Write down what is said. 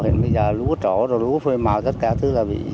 thì bây giờ lúa trổ rồi lúa phơi màu tất cả thứ